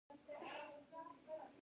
مرګ د ژوند حقیقت دی